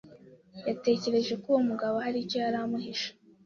Yatekereje ko uwo mugabo hari icyo yari amuhishe.